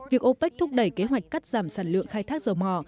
việc opec thúc đẩy kế hoạch cắt giảm sản lượng khai thác dầu mỏ